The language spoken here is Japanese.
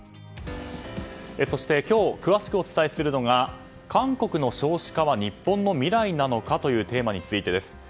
そして今日詳しくお伝えするのが韓国の少子化は日本の未来なのかというテーマについてです。